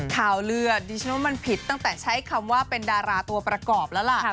ข่าวเลือดดิฉันว่ามันผิดตั้งแต่ใช้คำว่าเป็นดาราตัวประกอบแล้วล่ะ